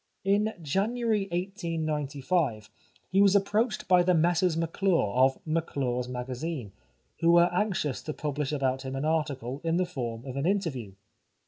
In January 1895 he was approached by the Messrs M'Clure, of M'Clure's Magazine, who were anxious to pubhsh about him an article in the form of an interview.